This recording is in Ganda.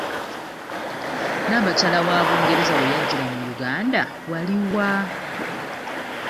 Naabakyala wa Bungereza we yajjira mu Uganda wali wa?